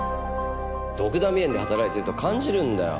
ドクダミ園で働いてると感じるんだよ